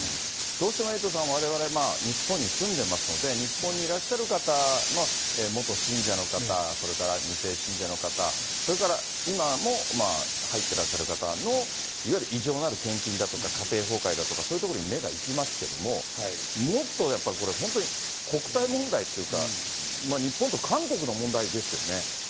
どうしても、エイトさん、われわれ日本に住んでますので、日本にいらっしゃる方の元信者の方、それから２世信者の方、それから今も入ってらっしゃる方のいわゆる異常なる献金だとか家庭崩壊だとか、そういうところに目が行きますけども、もっとやっぱりこれ、本当に国際問題っていうか、日本と韓国の問題ですよね。